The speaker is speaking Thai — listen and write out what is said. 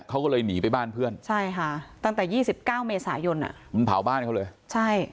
เขาก็เลยหนีไปบ้านเพื่อนใช่ค่ะตั้งแต่ยี่สิบเก้าเมษายนอ่ะมันเผาบ้านเขาเลยใช่